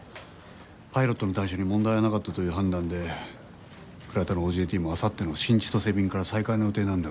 パイロットの対処に問題はなかったという判断で倉田のＯＪＴもあさっての新千歳便から再開の予定なんだがな。